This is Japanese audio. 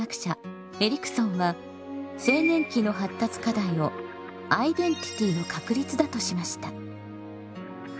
エリクソンは青年期の発達課題をアイデンティティの確立だとしました。